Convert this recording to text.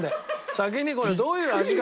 先にこれどういう味か。